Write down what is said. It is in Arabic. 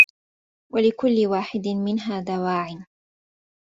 وَلِكُلِّ وَاحِدٍ مِنْهَا دَوَاعٍ